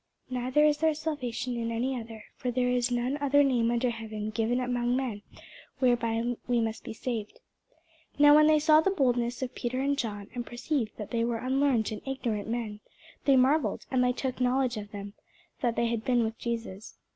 Neither is there salvation in any other: for there is none other name under heaven given among men, whereby we must be saved. Now when they saw the boldness of Peter and John, and perceived that they were unlearned and ignorant men, they marvelled; and they took knowledge of them, that they had been with Jesus.